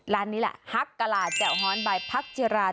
ร้านนี้แหละฮักกะลาแจ่วฮอนใบพักจิรา